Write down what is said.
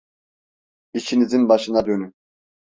İşinizin başına dönün!